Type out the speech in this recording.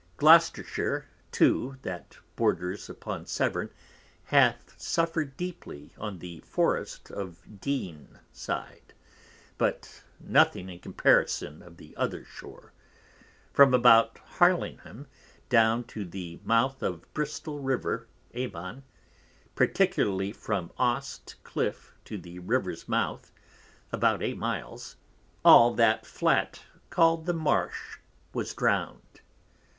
Gloucestershire too, that borders upon Severne hath suffered deeply on the Forrest of Deane side, but nothing in comparison of the other shore, from about Harlingham down to the mouth of Bristol River Avon, particularly from Aust Cliffe to the Rivers Mouth (about 8 miles) all that Flat, called the Marsh was drowned.